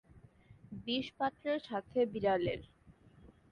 বিষপাত্রের সাথে বিড়ালের।